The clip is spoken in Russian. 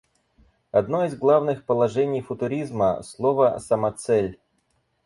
Одно из главных положений футуризма — «слово — самоцель».